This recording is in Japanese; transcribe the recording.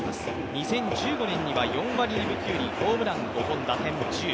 ２０１５年には４割５分９厘、ホームラン５本、打点は１０。